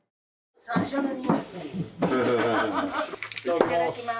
いただきます。